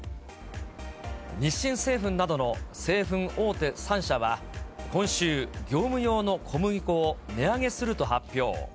日清製粉などの製粉大手３社は、今週、業務用の小麦粉を値上げすると発表。